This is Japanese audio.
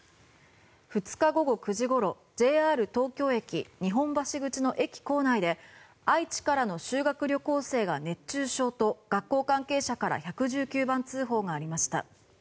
２日午後９時ごろＪＲ東京駅日本橋口の駅構内で愛知からの修学旅行生が熱中症と学校関係者から１１９番通報がありました。